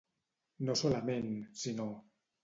No solament... sinó.